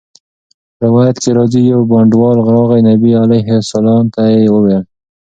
روایت کي راځي: يو بانډَوال راغی، نبي عليه السلام ته ئي وويل